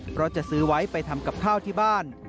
เพราะจะซื้อไว้ไปทำกับข้าวที่บ้าน